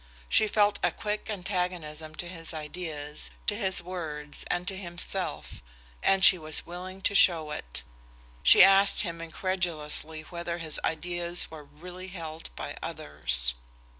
She felt a quick antagonism to his ideas, to his words, and to himself, and she was willing to show it. She asked him incredulously whether his ideas were really held by others.